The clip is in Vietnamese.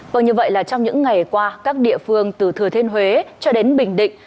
vâng như vậy là trong những ngày qua các địa phương từ thừa thiên huế cho đến bình định